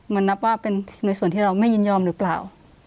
มันนับว่าเป็นในส่วนที่เราไม่ยินยอมหรือเปล่า